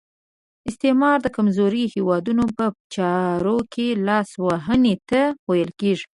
استعمار د کمزورو هیوادونو په چارو کې لاس وهنې ته ویل کیږي.